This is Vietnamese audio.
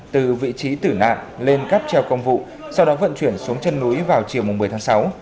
từ vị trí tử nạn lên cắp treo công vụ sau đó vận chuyển xuống chân núi vào chiều một mươi tháng sáu